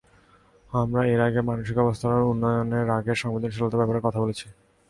আমরা এর আগে মানসিক অবস্থার উন্নয়নে রাগের সংবেদনশীলতার ব্যাপারে কথা বলেছি।